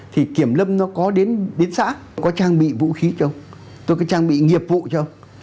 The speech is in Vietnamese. thì kiểm lâm nó có đến xã có trang bị vũ khí cho ông có trang bị nghiệp vụ cho ông